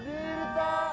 jangan sampai kamu lupa